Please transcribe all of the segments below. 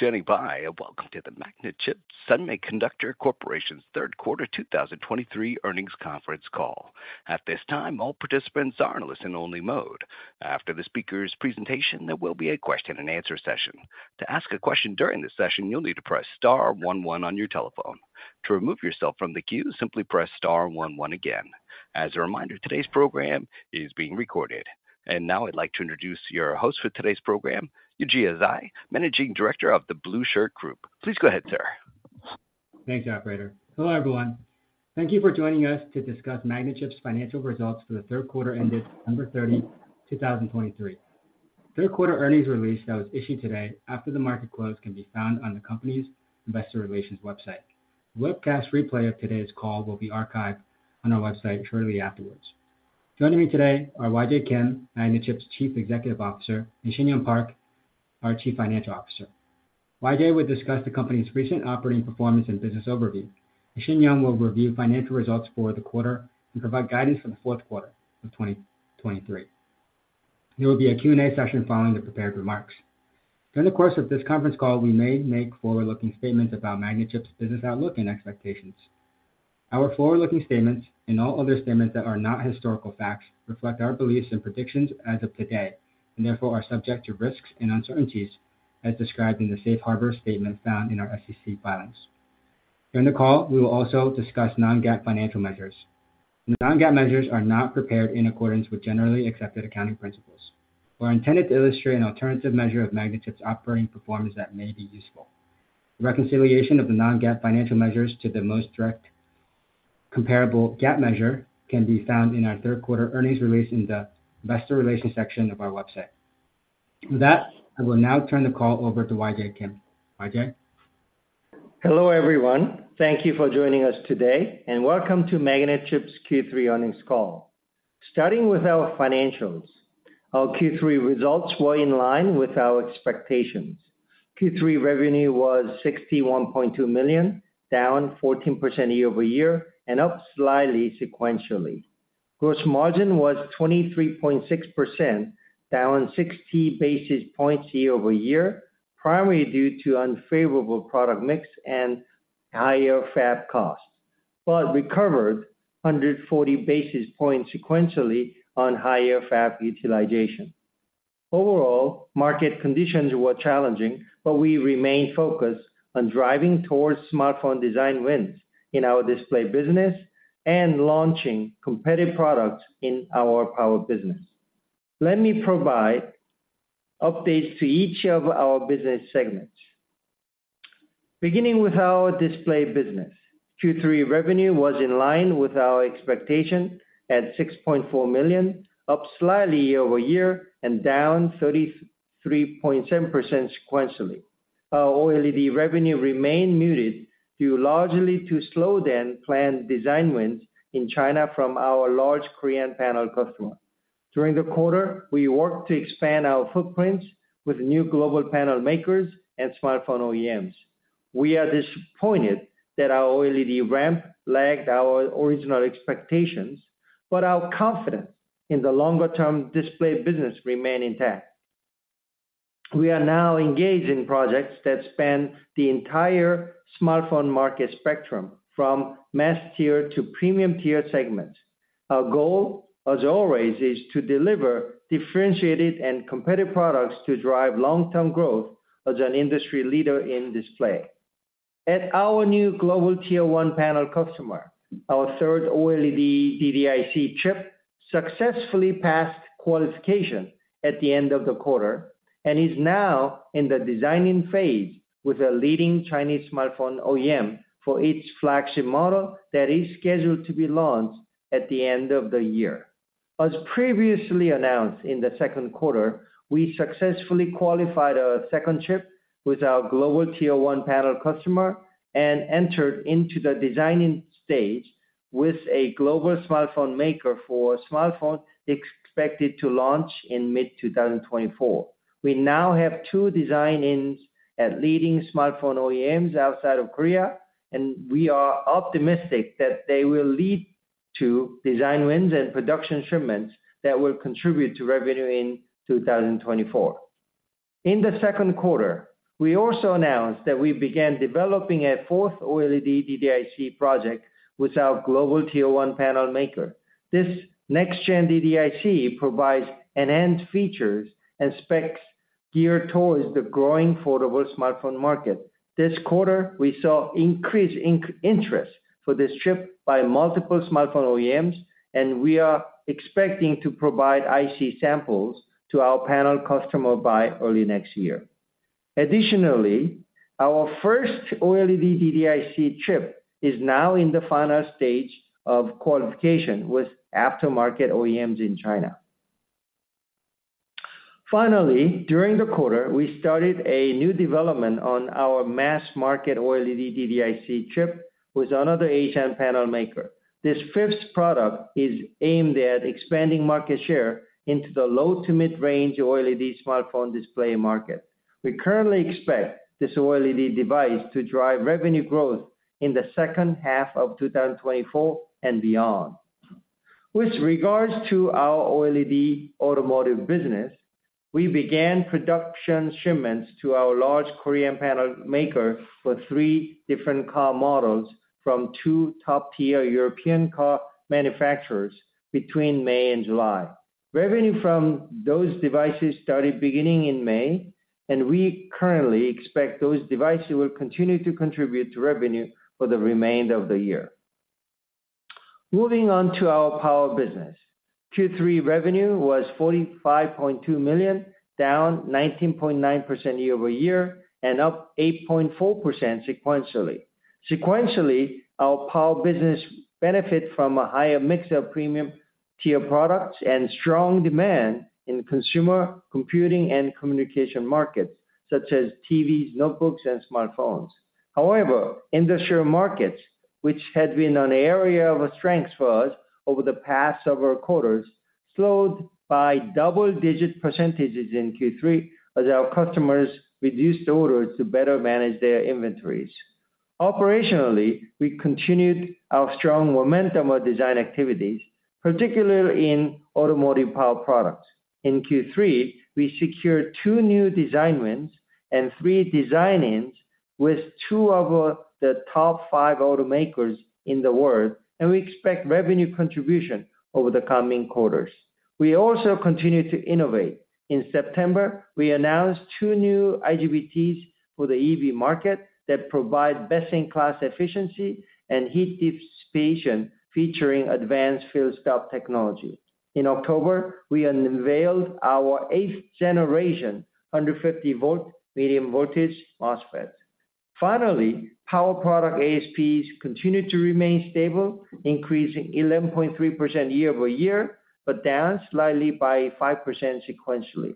Stand by and welcome to the Magnachip Semiconductor Corporation's third quarter 2023 earnings conference call. At this time, all participants are in a listen-only mode. After the speaker's presentation, there will be a question-and-answer session. To ask a question during the session, you'll need to press star one one on your telephone. To remove yourself from the queue, simply press star one one again. As a reminder, today's program is being recorded. Now I'd like to introduce your host for today's program, Yujia Zhai, Managing Director of the Blueshirt Group. Please go ahead, sir. Thanks, operator. Hello, everyone. Thank you for joining us to discuss Magnachip's financial results for the third quarter ended December 30, 2023. Third quarter earnings release that was issued today after the market close can be found on the company's investor relations website. Webcast replay of today's call will be archived on our website shortly afterwards. Joining me today are YJ Kim, Magnachip's Chief Executive Officer, and Shinyoung Park, our Chief Financial Officer. YJ will discuss the company's recent operating performance and business overview. Shinyoung will review financial results for the quarter and provide guidance for the fourth quarter of 2023. There will be a Q&A session following the prepared remarks. During the course of this conference call, we may make forward-looking statements about Magnachip's business outlook and expectations. Our forward-looking statements, and all other statements that are not historical facts, reflect our beliefs and predictions as of today, and therefore are subject to risks and uncertainties as described in the safe harbor statement found in our SEC filings. During the call, we will also discuss non-GAAP financial measures. Non-GAAP measures are not prepared in accordance with generally accepted accounting principles, but are intended to illustrate an alternative measure of Magnachip's operating performance that may be useful. Reconciliation of the non-GAAP financial measures to the most direct comparable GAAP measure can be found in our third quarter earnings release in the investor relations section of our website. With that, I will now turn the call over to YJ Kim. YJ? Hello, everyone. Thank you for joining us today, and welcome to Magnachip's Q3 earnings call. Starting with our financials, our Q3 results were in line with our expectations. Q3 revenue was $61.2 million, down 14% year-over-year, and up slightly sequentially. Gross margin was 23.6%, down 60 basis points year-over-year, primarily due to unfavorable product mix and higher fab costs, but recovered 140 basis points sequentially on higher fab utilization. Overall, market conditions were challenging, but we remain focused on driving towards smartphone design wins in our Display business and launching competitive products in our Power business. Let me provide updates to each of our business segments. Beginning with our Display business, Q3 revenue was in line with our expectation at $6.4 million, up slightly year-over-year and down 33.7% sequentially. Our OLED revenue remained muted due largely to slower-than-planned design wins in China from our large Korean panel customer. During the quarter, we worked to expand our footprints with new global panel makers and smartphone OEMs. We are disappointed that our OLED ramp lagged our original expectations, but our confidence in the longer-term display business remain intact. We are now engaged in projects that span the entire smartphone market spectrum, from mass tier to premium tier segments. Our goal, as always, is to deliver differentiated and competitive products to drive long-term growth as an industry leader in display. At our new global Tier 1 panel customer, our third OLED DDIC chip successfully passed qualification at the end of the quarter, and is now in the designing phase with a leading Chinese smartphone OEM for its flagship model that is scheduled to be launched at the end of the year. As previously announced in the second quarter, we successfully qualified a second chip with our global Tier 1 panel customer and entered into the designing stage with a global smartphone maker for a smartphone expected to launch in mid-2024. We now have two design-ins at leading smartphone OEMs outside of Korea, and we are optimistic that they will lead to design wins and production shipments that will contribute to revenue in 2024. In the second quarter, we also announced that we began developing a fourth OLED DDIC project with our global Tier 1 panel maker. This next-gen DDIC provides enhanced features and specs geared towards the growing foldable smartphone market. This quarter, we saw increased interest for this chip by multiple smartphone OEMs, and we are expecting to provide IC samples to our panel customer by early next year. Additionally, our first OLED DDIC chip is now in the final stage of qualification with aftermarket OEMs in China. Finally, during the quarter, we started a new development on our mass market OLED DDIC chip with another Asian panel maker. This fifth product is aimed at expanding market share into the low to mid-range OLED smartphone display market. We currently expect this OLED device to drive revenue growth in the second half of 2024 and beyond. With regards to our OLED automotive business, we began production shipments to our large Korean panel maker for three different car models from two top-tier European car manufacturers between May and July. Revenue from those devices started beginning in May, and we currently expect those devices will continue to contribute to revenue for the remainder of the year. Moving on to our Power business. Q3 revenue was $45.2 million, down 19.9% year-over-year, and up 8.4% sequentially. Sequentially, our Power business benefit from a higher mix of premium tier products and strong demand in consumer, computing, and communication markets, such as TVs, notebooks, and smartphones. However, industrial markets, which had been an area of strength for us over the past several quarters, slowed by double-digit percentages in Q3 as our customers reduced orders to better manage their inventories. Operationally, we continued our strong momentum of design activities, particularly in automotive power products. In Q3, we secured two new design wins and three design-ins with two of the top five automakers in the world, and we expect revenue contribution over the coming quarters. We also continue to innovate. In September, we announced two new IGBTs for the EV market that provide best-in-class efficiency and heat dissipation, featuring advanced Field Stop Technology. In October, we unveiled our eighth generation under 50 V, medium voltage MOSFET. Finally, Power product ASPs continued to remain stable, increasing 11.3% year-over-year, but down slightly by 5% sequentially.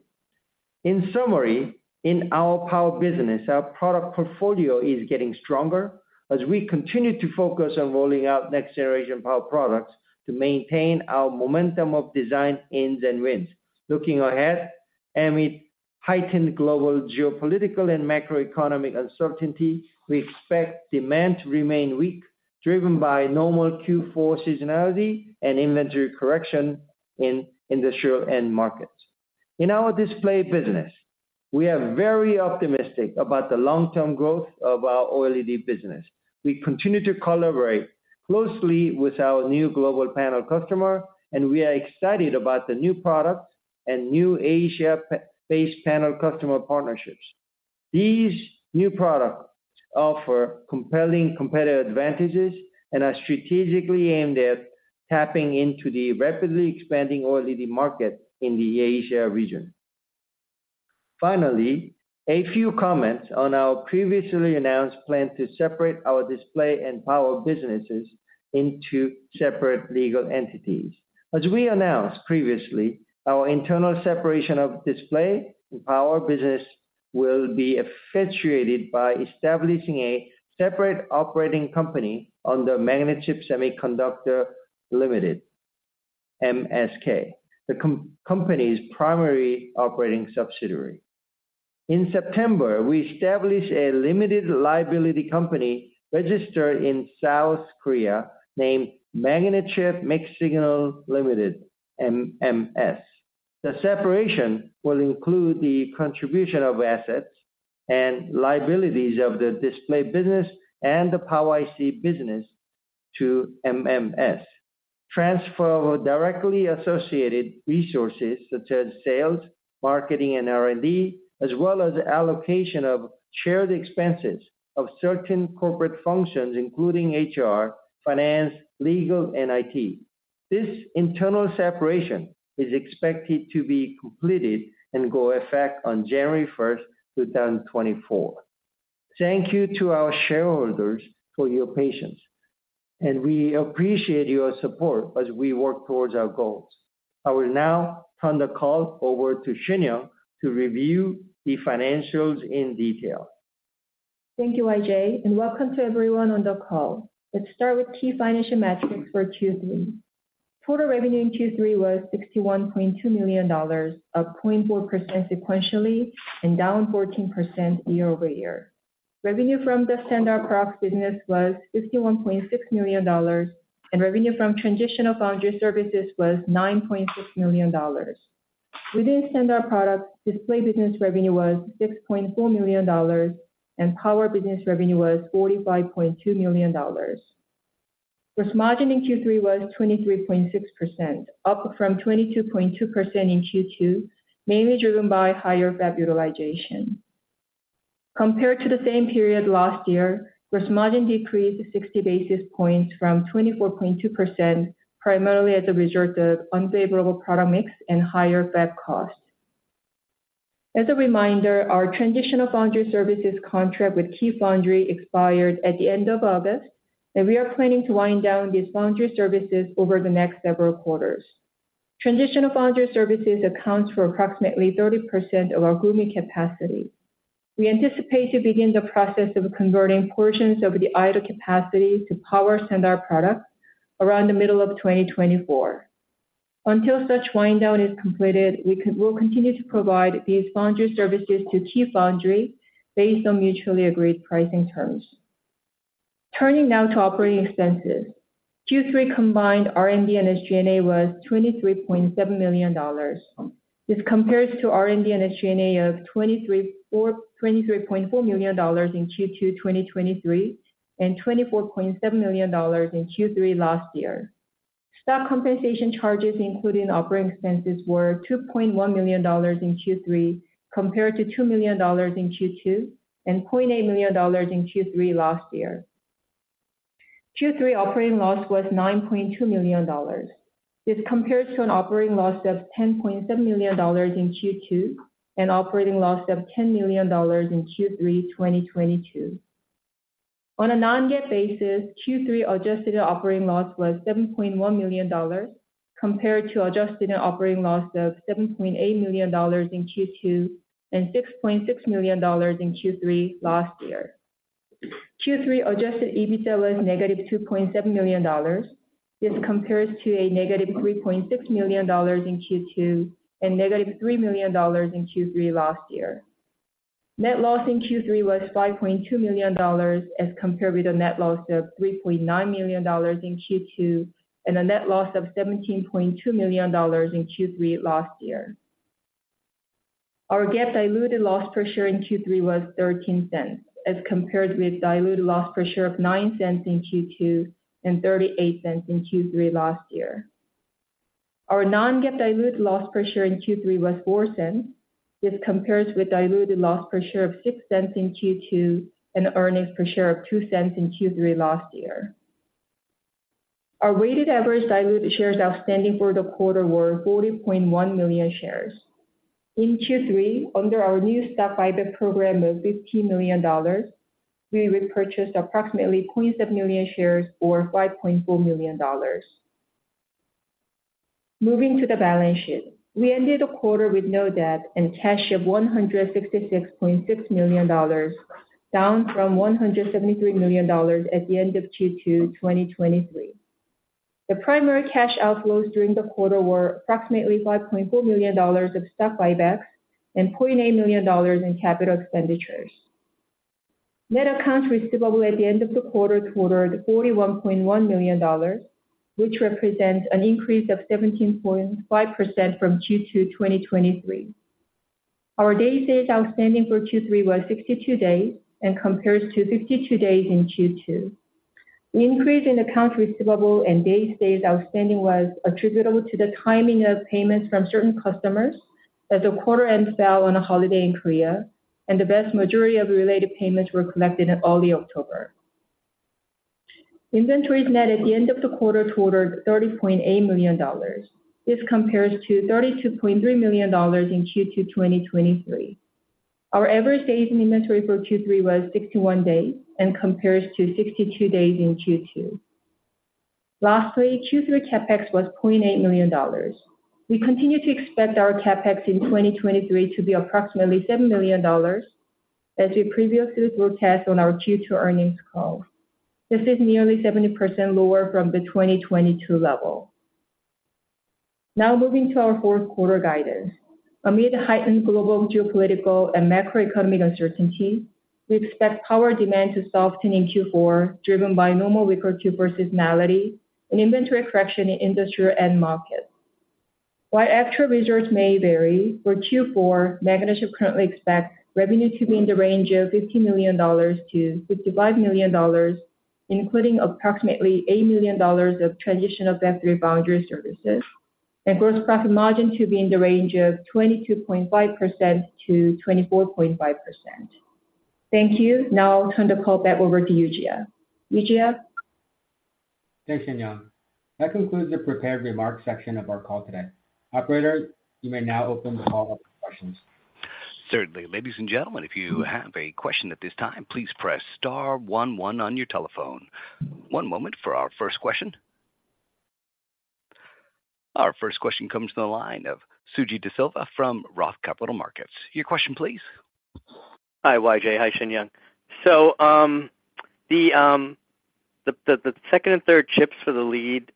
In summary, in our Power business, our product portfolio is getting stronger as we continue to focus on rolling out next-generation Power products to maintain our momentum of design-ins and design-wins. Looking ahead, amid heightened global geopolitical and macroeconomic uncertainty, we expect demand to remain weak, driven by normal Q4 seasonality and inventory correction in industrial end markets. In our Display business, we are very optimistic about the long-term growth of our OLED business. We continue to collaborate closely with our new global panel customer, and we are excited about the new products and new Asia-based panel customer partnerships. These new products offer compelling competitive advantages and are strategically aimed at tapping into the rapidly expanding OLED market in the Asia region. Finally, a few comments on our previously announced plan to separate our Display and Power businesses into separate legal entities. As we announced previously, our internal separation of Display and Power business will be effectuated by establishing a separate operating company under Magnachip Semiconductor Limited, MSK, the company's primary operating subsidiary. In September, we established a limited liability company registered in South Korea, named Magnachip Mixed Signal Limited, MMS. The separation will include the contribution of assets and liabilities of the Display business and the Power IC business to MMS. Transfer of directly associated resources such as sales, marketing, and R&D, as well as allocation of shared expenses of certain corporate functions, including HR, Finance, Legal, and IT. This internal separation is expected to be completed and go into effect on January 1st, 2024. Thank you to our shareholders for your patience, and we appreciate your support as we work towards our goals. I will now turn the call over to Shinyoung to review the financials in detail. Thank you, YJ, and welcome to everyone on the call. Let's start with key financial metrics for Q3. Total revenue in Q3 was $61.2 million, up 0.4% sequentially and down 14% year-over-year. Revenue from the standard products business was $51.6 million, and revenue from Transitional Foundry services was $9.6 million. Within standard products, Display business revenue was $6.4 million, and Power business revenue was $45.2 million. Gross margin in Q3 was 23.6%, up from 22.2% in Q2, mainly driven by higher fab utilization. Compared to the same period last year, gross margin decreased 60 basis points from 24.2%, primarily as a result of unfavorable product mix and higher fab costs. As a reminder, our Transitional Foundry services contract with Key Foundry expired at the end of August, and we are planning to wind down these Foundry services over the next several quarters. Transitional Foundry services accounts for approximately 30% of our Gumi capacity. We anticipate to begin the process of converting portions of the idle capacity to Power standard products around the middle of 2024. Until such wind down is completed, we will continue to provide these Foundry services to Key Foundry based on mutually agreed pricing terms. Turning now to operating expenses. Q3 combined R&D and SG&A was $23.7 million. This compares to R&D and SG&A of $23.4 million in Q2 2023, and $24.7 million in Q3 last year. Stock compensation charges, including operating expenses, were $2.1 million in Q3, compared to $2 million in Q2, and $0.8 million in Q3 last year. Q3 operating loss was $9.2 million. This compares to an operating loss of $10.7 million in Q2, and operating loss of $10 million in Q3 2022. On a non-GAAP basis, Q3 adjusted operating loss was $7.1 million, compared to adjusted operating loss of $7.8 million in Q2, and $6.6 million in Q3 last year. Q3 adjusted EBITDA was -$2.7 million. This compares to -$3.6 million in Q2, and -$3 million in Q3 last year. Net loss in Q3 was $5.2 million, as compared with a net loss of $3.9 million in Q2, and a net loss of $17.2 million in Q3 last year. Our GAAP diluted loss per share in Q3 was $0.13, as compared with diluted loss per share of $0.09 in Q2, and $0.38 in Q3 last year. Our non-GAAP diluted loss per share in Q3 was $0.04. This compares with diluted loss per share of $0.06 in Q2, and earnings per share of $0.02 in Q3 last year. Our weighted average diluted shares outstanding for the quarter were 40.1 million shares. In Q3, under our new stock buyback program of $50 million, we repurchased approximately 0.7 million shares for $5.4 million. Moving to the balance sheet. We ended the quarter with no debt and cash of $166.6 million, down from $173 million at the end of Q2 2023. The primary cash outflows during the quarter were approximately $5.4 million of stock buybacks and $0.8 million in capital expenditures. Net accounts receivable at the end of the quarter totaled $41.1 million, which represents an increase of 17.5% from Q2 2023. Our days sales outstanding for Q3 was 62 days, and compares to 52 days in Q2. The increase in accounts receivable and days sales outstanding was attributable to the timing of payments from certain customers, as the quarter-end fell on a holiday in Korea, and the vast majority of related payments were collected in early October. Inventories net at the end of the quarter totaled $30.8 million. This compares to $32.3 million in Q2 2023. Our average days in inventory for Q3 was 61 days and compares to 62 days in Q2. Lastly, Q3 CapEx was $0.8 million. We continue to expect our CapEx in 2023 to be approximately $7 million, as we previously forecast on our Q2 earnings call. This is nearly 70% lower from the 2022 level. Now moving to our fourth quarter guidance. Amid heightened global geopolitical and macroeconomic uncertainty, we expect Power demand to soften in Q4, driven by normal recovery seasonality and inventory correction in industrial end markets. While actual results may vary, for Q4, Magnachip currently expects revenue to be in the range of $50 million-$55 million, including approximately $8 million of Transitional Foundry services, and gross profit margin to be in the range of 22.5%-24.5%. Thank you. Now I'll turn the call back over to Yujia. Yujia? Thanks, Shinyoung. That concludes the prepared remarks section of our call today. Operator, you may now open the call up for questions. Certainly. Ladies and gentlemen, if you have a question at this time, please press star one one on your telephone. One moment for our first question. Our first question comes from the line of Suji Desilva from ROTH Capital Partners. Your question please. Hi, YJ. Hi, Shinyoung. So, the second and third chips for the leading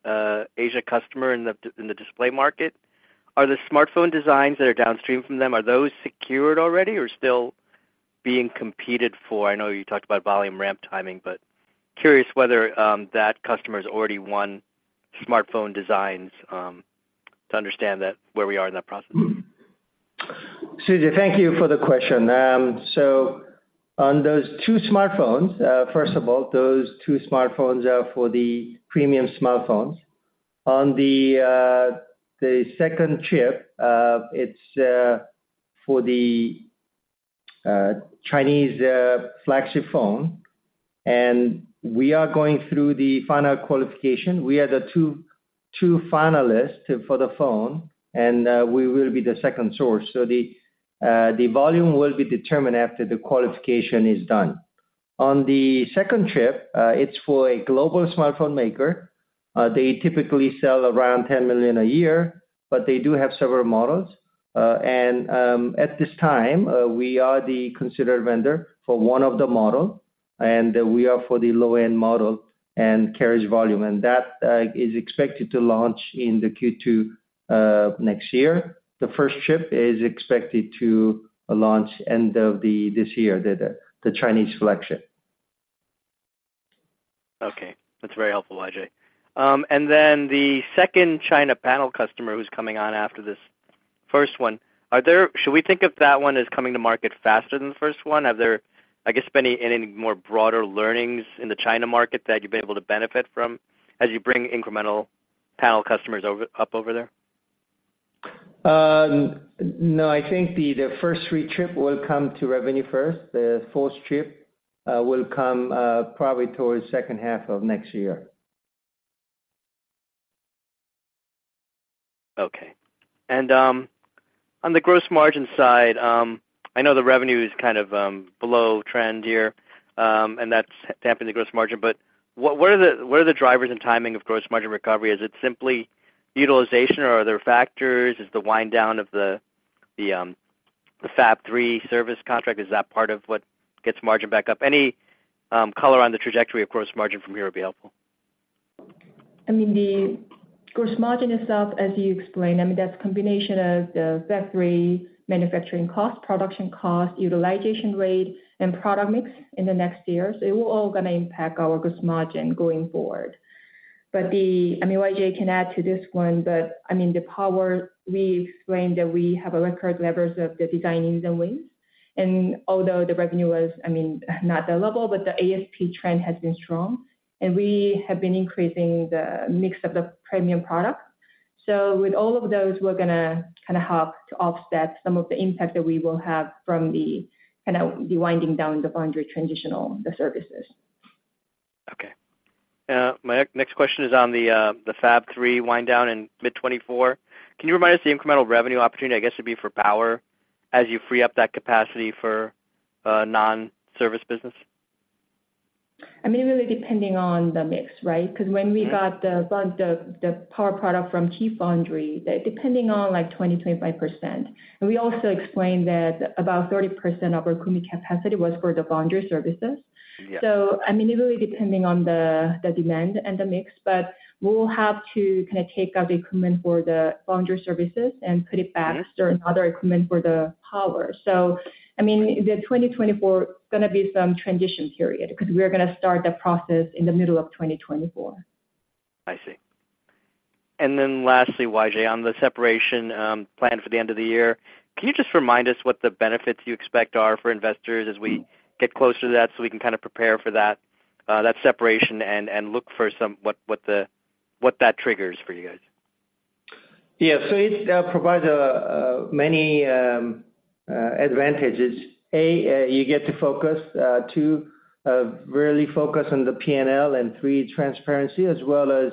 Asian customer in the display market, are the smartphone designs that are downstream from them, are those secured already or still being competed for? I know you talked about volume ramp timing, but curious whether that customer's already won smartphone designs, to understand where we are in that process. Suji, thank you for the question. So on those two smartphones, first of all, those two smartphones are for the premium smartphones. On the second chip, it's for the Chinese flagship phone, and we are going through the final qualification. We are the two finalists for the phone, and we will be the second source. So the volume will be determined after the qualification is done. On the second chip, it's for a global smartphone maker. They typically sell around 10 million a year, but they do have several models. And at this time, we are the considered vendor for one of the model, and we are for the low-end model and carries volume. And that is expected to launch in the Q2 next year. The first chip is expected to launch end of this year, the Chinese flagship. Okay, that's very helpful, YJ. And then the second China panel customer who's coming on after this first one, should we think of that one as coming to market faster than the first one? Have there, I guess, been any more broader learnings in the China market that you've been able to benefit from as you bring incremental panel customers over, up over there? No, I think the first three chip will come to revenue first. The fourth chip will come probably towards second half of next year. Okay. On the gross margin side, I know the revenue is kind of below trend here, and that's dampening the gross margin. But what are the drivers and timing of gross margin recovery? Is it simply utilization, or are there factors? Is the wind down of the Fab 3 service contract part of what gets margin back up? Any color on the trajectory of gross margin from here would be helpful. I mean, the gross margin itself, as you explained, I mean, that's a combination of the Fab 3 manufacturing cost, production cost, utilization rate, and product mix in the next year. So it will all gonna impact our gross margin going forward. But the, I mean, YJ can add to this one, but I mean, the Power, we explained that we have a record levels of the design wins. And although the revenue was, I mean, not the level, but the ASP trend has been strong, and we have been increasing the mix of the premium product. So with all of those, we're gonna kind of help to offset some of the impact that we will have from the, kind of, the winding down the Foundry Transitional, the services. Okay. My next question is on the Fab 3 wind down in mid-2024. Can you remind us the incremental revenue opportunity, I guess, would be for Power as you free up that capacity for non-service business? I mean, really depending on the mix, right? Yeah. Because when we got the Power product from Key Foundry, that depending on, like, 20%-25%. And we also explained that about 30% of our capacity was for the Foundry services. Yeah. So I mean, it really depends on the demand and the mix, but we'll have to kind of take up equipment for the foundry services and put it back. Yeah. Certain other equipment for the power. So I mean, the 2024 gonna be some transition period, because we're gonna start the process in the middle of 2024. I see. And then lastly, YJ, on the separation plan for the end of the year, can you just remind us what the benefits you expect are for investors as we get closer to that, so we can kind of prepare for that, that separation and look for some, what that triggers for you guys? Yeah. So it provides many advantages. A, you get to focus, two, really focus on the P&L, and three, transparency, as well as,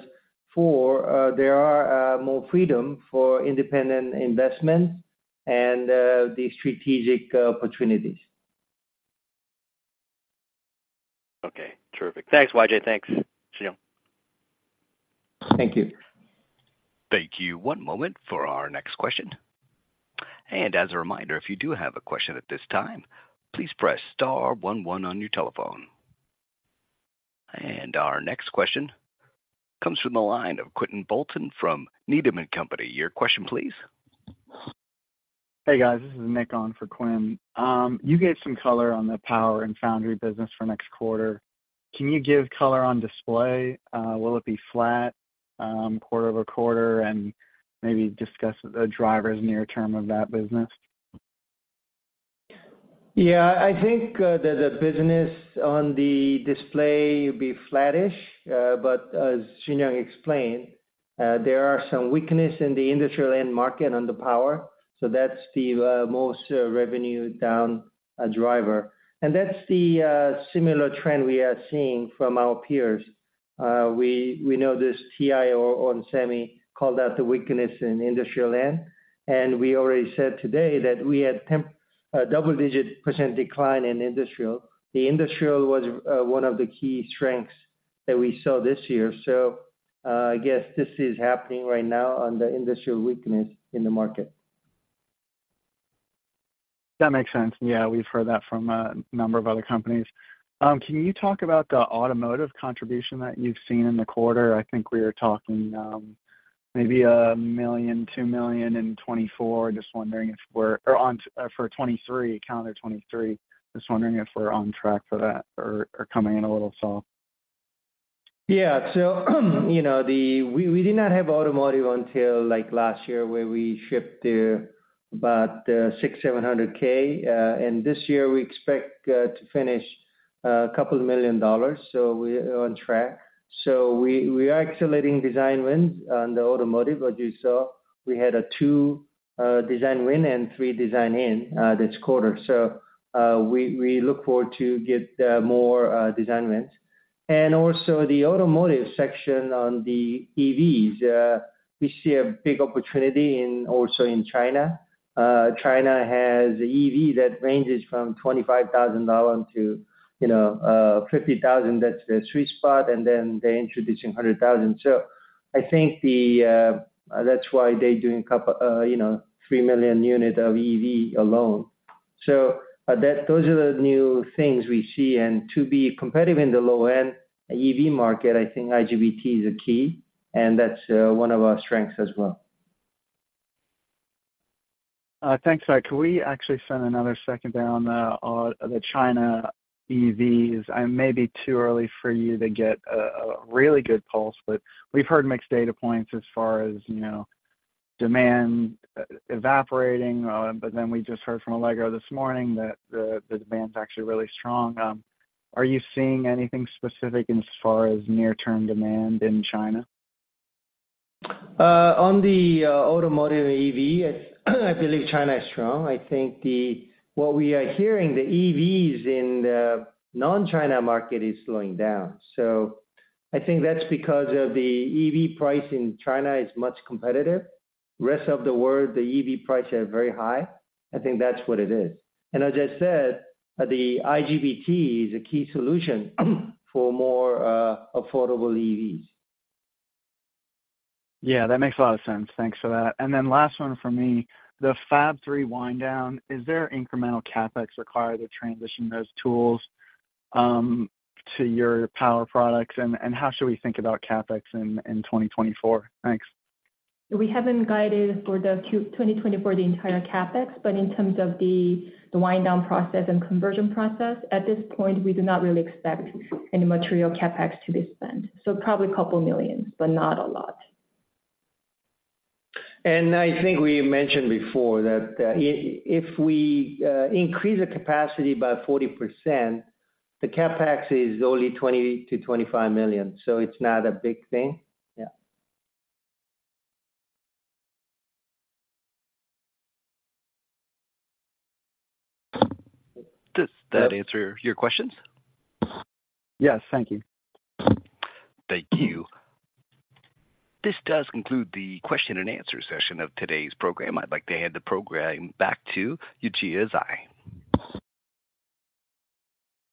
four, there are more freedom for independent investment and the strategic opportunities. Okay. Terrific. Thanks, YJ. Thanks, Shinyoung. Thank you. Thank you. One moment for our next question. As a reminder, if you do have a question at this time, please press star one one on your telephone. Our next question comes from the line of Quinn Bolton from Needham & Company. Your question, please. Hey, guys, this is Nick on for Quinn. You gave some color on the Power and Foundry business for next quarter. Can you give color on display? Will it be flat, quarter-over-quarter? And maybe discuss the drivers near term of that business. Yeah, I think the business on the Display will be flattish. But as Shinyoung explained, there are some weakness in the industrial end market on the Power, so that's the most revenue down driver. And that's the similar trend we are seeing from our peers. We know TI, ON Semi called out the weakness in industrial end, and we already said today that we had double-digit percent decline in industrial. The industrial was one of the key strengths that we saw this year. So, I guess this is happening right now on the industrial weakness in the market. That makes sense. Yeah, we've heard that from a number of other companies. Can you talk about the automotive contribution that you've seen in the quarter? I think we were talking maybe $1 million, $2 million in 2024. Just wondering if we're on track for that or on track for 2023, calendar 2023, or coming in a little slow. Yeah. So, you know, we did not have automotive until, like, last year, where we shipped about 600,000-700,000. And this year we expect to finish $2 million, so we're on track. So we are accelerating design wins on the automotive. As you saw, we had two design wins and three design-ins this quarter. So, we look forward to get more design wins. And also the automotive section on the EVs, we see a big opportunity in, also in China. China has EV that ranges from $25,000-$50,000. That's the sweet spot, and then they introduce $100,000. So I think the, that's why they're doing a couple, you know, 3 million units of EV alone. So those are the new things we see. And to be competitive in the low-end EV market, I think IGBT is a key, and that's one of our strengths as well. Thanks, I, can we actually spend another second down on the, the China EVs? I may be too early for you to get, a really good pulse, but we've heard mixed data points as far as, you know, demand evaporating, but then we just heard from Li Auto this morning that the, the demand's actually really strong. Are you seeing anything specific as far as near-term demand in China? On the automotive EV, I believe China is strong. I think what we are hearing, the EVs in the non-China market is slowing down. So I think that's because of the EV price in China is much competitive. Rest of the world, the EV prices are very high. I think that's what it is. And as I said, the IGBT is a key solution for more affordable EVs. Yeah, that makes a lot of sense. Thanks for that. And then last one for me, the Fab 3 wind down, is there incremental CapEx required to transition those tools to your Power products? And how should we think about CapEx in 2024? Thanks. We haven't guided for 2024 the entire CapEx, but in terms of the wind down process and conversion process, at this point, we do not really expect any material CapEx to be spent. So probably $2 million, but not a lot. I think we mentioned before that, if we increase the capacity by 40%, the CapEx is only $20 million-$25 million, so it's not a big thing. Yeah. Does that answer your questions? Yes. Thank you. Thank you. This does conclude the question-and-answer session of today's program. I'd like to hand the program back to Yujia Zhai.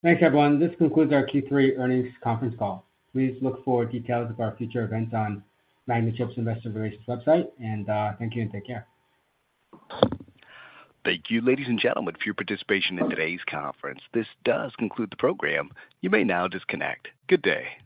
Thanks, everyone. This concludes our Q3 earnings conference call. Please look for details of our future events on Magnachip's Investor Relations website, and thank you and take care. Thank you, ladies and gentlemen, for your participation in today's conference. This does conclude the program. You may now disconnect. Good day.